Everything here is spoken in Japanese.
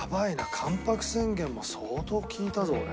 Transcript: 『関白宣言』も相当聴いたぞ俺。